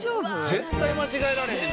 絶対間違えられへん。